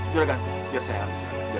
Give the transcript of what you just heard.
jodohkan biar saya alih